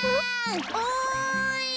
おい。